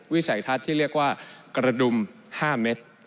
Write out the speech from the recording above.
วิสัยทัศน์ที่เรียกว่ากระดุม๕เม็ด